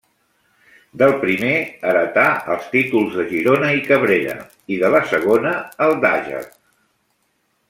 Del primer heretà els títols de Girona i Cabrera, i de la segona, el d'Àger.